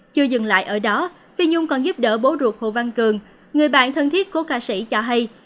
chưa dừng lại ở đó phi nhung còn giúp đỡ bố ruột hồ văn cường người bạn thân thiết của ca sĩ cho hay